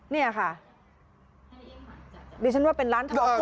นี่ค่ะดิฉันว่าเป็นร้านทอง